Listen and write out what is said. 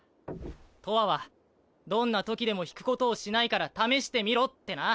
とわはどんな時でも退くことをしないから試してみろってな。